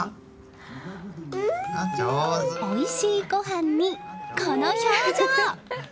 おいしいごはんに、この表情！